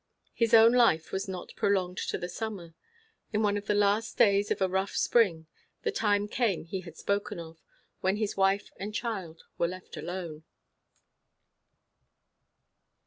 His own life was not prolonged to the summer. In one of the last days of a rough spring, the time came he had spoken of, when his wife and child were left alone.